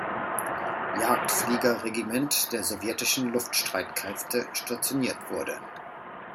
Jagdfliegerregiment" der sowjetischen Luftstreitkräfte stationiert wurde.